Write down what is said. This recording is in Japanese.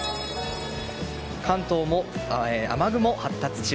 関東も雨雲発達中。